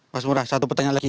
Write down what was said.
mas murah satu pertanyaan lagi